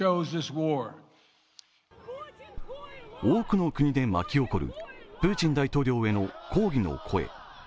多くの国で巻き起こるプーチン大統領への抗議の声。